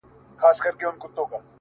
• پشي د خدای لپاره موږک نه نیسي ,